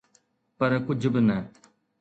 پر ڪجھ به نه.